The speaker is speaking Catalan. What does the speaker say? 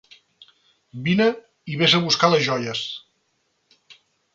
Vine i vés a buscar les joies.